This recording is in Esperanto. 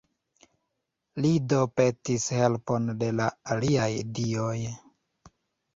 Li do petis helpon de la aliaj dioj.